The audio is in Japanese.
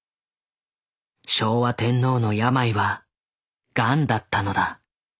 昭和天皇の病はガンだったのだ。